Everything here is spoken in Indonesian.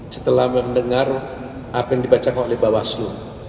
setelah mendengar apa yang dibacakan oleh bawaslu